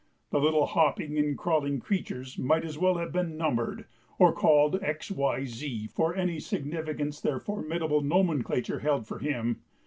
The little hopping and crawling creatures might as well have been numbered, or called x, y, z, for any significance their formidable nomenclature held for him.